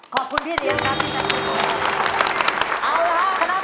ขอบคุณพี่เลี้ยงครับ